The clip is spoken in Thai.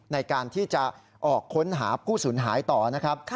ในการที่จะออกค้นหาผู้สูญหายต่อนะครับ